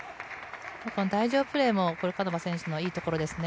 台上プレーもポルカノバ選手のいいところですね。